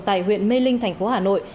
tại huyện mê linh tp hà nội